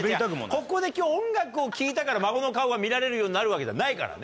ここで今日音楽を聴いたから孫の顔が見られるようになるわけじゃないからね。